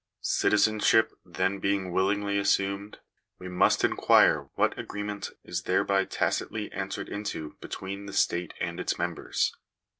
Citi zenship then being willingly assumed, we must inquire what agreement is thereby tacitly entered into between the state and its members.